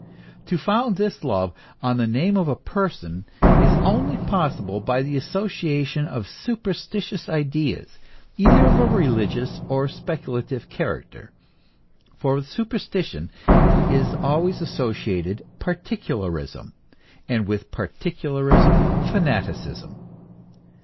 To found this love on the name of a person, is only possible by the association of superstitious 264 THE ESSENCE OF CHRISTIANITY. ideas, either of a religious or speculative character. For with superstition is always associated particularism, and with par ticularism, fanaticism.